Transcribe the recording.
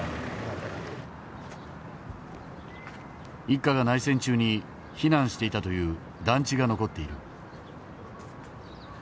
一家が内戦中に避難していたという団地が残っている。